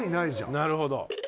なるほど。